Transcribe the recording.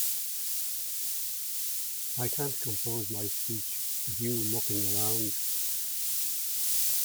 I can't compose my speech with you mucking around.